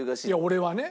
「俺はね」。